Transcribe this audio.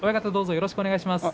よろしくお願いします。